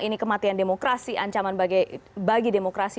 ini kematian demokrasi ancaman bagi demokrasi